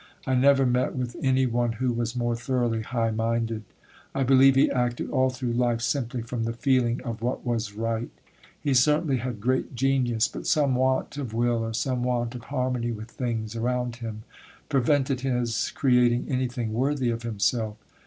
I never met with any one who was more thoroughly high minded: I believe he acted all through life simply from the feeling of what was right. He certainly had great genius, but some want of will or some want of harmony with things around him prevented his creating anything worthy of himself.